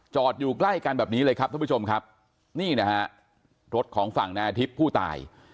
อยู่ใกล้กันแบบนี้เลยครับท่านผู้ชมครับนี่นะฮะรถของฝั่งนายอาทิตย์ผู้ตาย